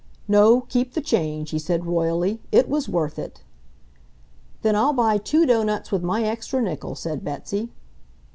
"No, keep the change," he said royally. "It was worth it." "Then I'll buy two doughnuts with my extra nickel," said Betsy.